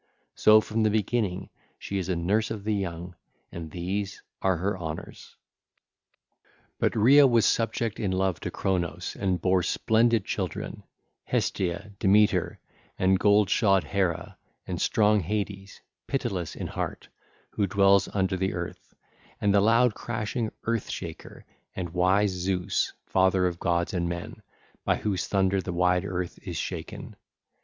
So from the beginning she is a nurse of the young, and these are her honours. (ll. 453 491) But Rhea was subject in love to Cronos and bare splendid children, Hestia 1618, Demeter, and gold shod Hera and strong Hades, pitiless in heart, who dwells under the earth, and the loud crashing Earth Shaker, and wise Zeus, father of gods and men, by whose thunder the wide earth is shaken.